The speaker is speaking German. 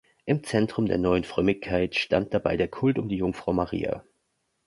Im Zentrum der neuen Frömmigkeit stand dabei der Kult um die Jungfrau Maria.